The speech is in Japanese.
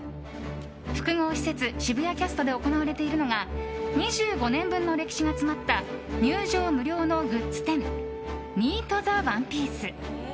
複合施設、渋谷キャストで行われているのが２５年分の歴史が詰まった入場無料のグッズ展「Ｍｅｅｔｔｈｅ“ＯＮＥＰＩＥＣＥ”」。